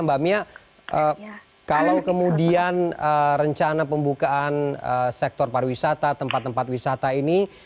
mbak mia kalau kemudian rencana pembukaan sektor pariwisata tempat tempat wisata ini